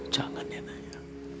jangan ya naya